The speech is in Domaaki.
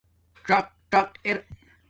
څݳق څݳق اِر